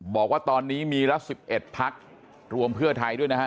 บอกว่าตอนนี้มีละ๑๑พักรวมเพื่อไทยด้วยนะฮะ